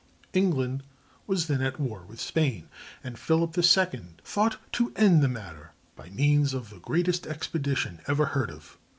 England was then at war with Spain, and Philip II thought to end the matter by means of the greatest expedition ever heard of.